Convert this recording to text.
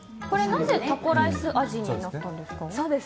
これ、なぜタコライス味になったんですか？